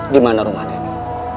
di mana rumah nenek